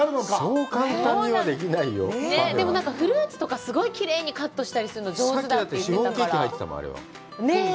でもフルーツとか、きれいにカットするの上手って言ってたから。